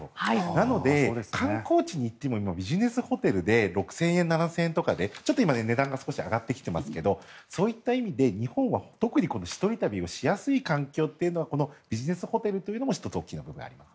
なので、観光地に行ってもビジネスホテルで６０００円、７０００円とかで今ちょっと値段が上がってきていますがそういった意味で日本は特に一人旅をしやすい環境というのがビジネスホテルというのも１つあります。